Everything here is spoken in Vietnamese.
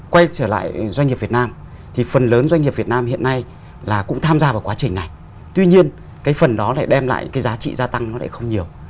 quay trở lại doanh nghiệp việt nam thì phần lớn doanh nghiệp việt nam hiện nay là cũng tham gia vào quá trình này tuy nhiên cái phần đó lại đem lại cái giá trị gia tăng nó lại không nhiều